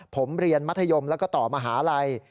ผมเรียนมัธยมแล้วก็ต่อมหาลัย